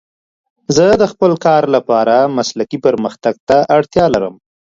زه د خپل کار لپاره مسلکي پرمختګ ته اړتیا لرم.